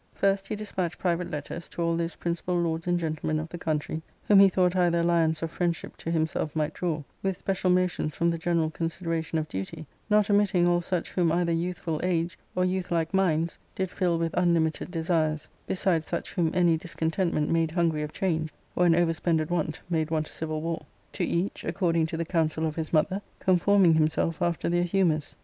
First, he despatched private letters to all those principal lords and gentlemen of the country whom he thought either alliance or friendship to himself might draw, with special motions from the general consideration of duty, not omitting all such whom either youthful age or youthlike minds did fill with unlimited de^ sires, besides such whom any discontentment made hungry of change, or an over spended want made want a civil war, to each, according to the counsel of his mother, conforming himself after their humours.